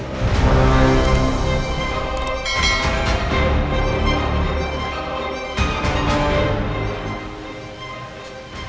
tante rosa itu tau